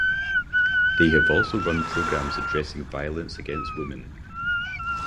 They have also run programs addressing violence against women.